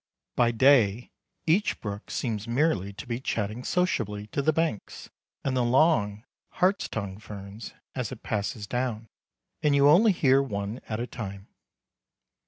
By day, each brook seems merely to be chatting sociably to the banks and the long harts tongue ferns as it passes down, and you only hear one at a time.